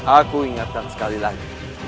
aku ingatkan sekali lagi